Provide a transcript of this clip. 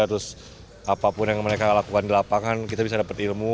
terus apapun yang mereka lakukan di lapangan kita bisa dapat ilmu